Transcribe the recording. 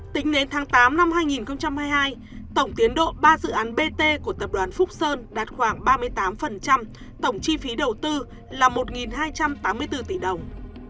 tính đến tháng tám năm hai nghìn hai mươi hai tổng tiến độ ba dự án bt của tập đoàn phúc sơn đạt khoảng ba mươi tám tổng chi phí đầu tư là một hai trăm tám mươi bốn tỷ đồng